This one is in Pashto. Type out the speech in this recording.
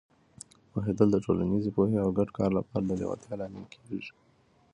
پوهېدل د ټولنیزې پوهې او د ګډ کار لپاره د لیوالتیا لامل کېږي.